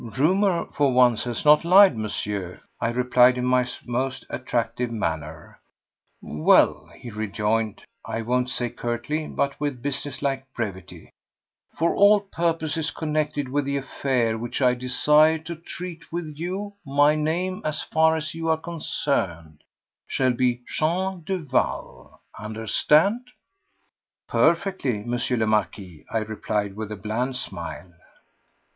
"Rumour for once has not lied, Monsieur," I replied in my most attractive manner. "Well," he rejoined—I won't say curtly, but with businesslike brevity, "for all purposes connected with the affair which I desire to treat with you my name, as far as you are concerned, shall be Jean Duval. Understand?" "Perfectly, Monsieur le Marquis," I replied with a bland smile.